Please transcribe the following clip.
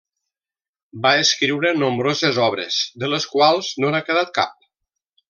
Va escriure nombroses obres, de les que no n'ha quedat cap.